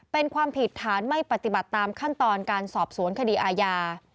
เป็นความผิดฐานไม่ปฏิบัติตามขั้นตอนการสอบสวนคดีอาญา